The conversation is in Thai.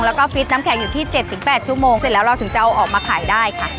แล้วก็ฟิตน้ำแข็งอยู่ที่๗๘ชั่วโมงเสร็จแล้วเราถึงจะเอาออกมาขายได้ค่ะ